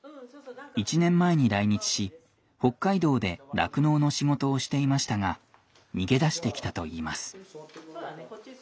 １年前に来日し北海道で酪農の仕事をしていましたが逃げ出してきたといいます。